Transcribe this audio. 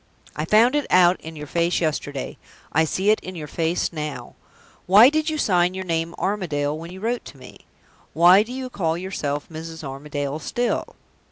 I found it out in your face yesterday. I see it in your face now. Why did you sign your name 'Armadale' when you wrote to me? Why do you call yourself 'Mrs. Armadale' still?"